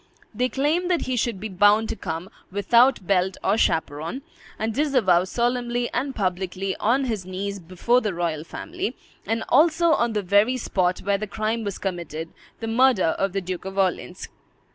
They claimed that he should be bound to come, "without belt or chaperon," and disavow solemnly and publicly, on his knees before the royal family, and also on the very spot where the crime was committed, the murder of the Duke of Orleans.